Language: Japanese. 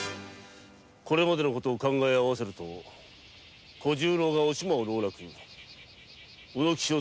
これまでの事を考え合わせると小十郎がおしまをだまし